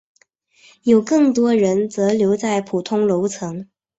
有更多人则留在普通楼层。